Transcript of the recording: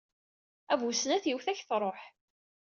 A bu snat, yiwet ad ak-tṛuḥ.